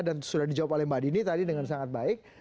dan sudah dijawab oleh mbak dini tadi dengan sangat baik